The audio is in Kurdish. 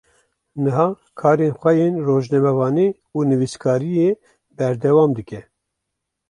Niha karên xwe yên rojnamevanî û nivîskariyê berdewam dike.